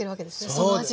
その味を。